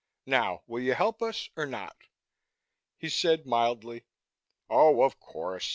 Now, will you help us or not?" He said mildly, "Oh, of course.